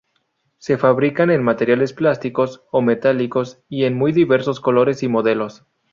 Se fabrican en materiales plásticos o metálicos y en muy diversos colores y modelos.